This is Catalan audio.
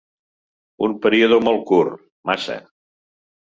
Un període molt curt, massa.